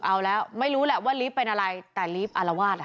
เอาแล้วไม่รู้แหละว่าลีฟเป็นอะไรแต่ลีฟอารวาส